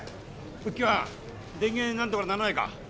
復旧班電源なんとかならないか。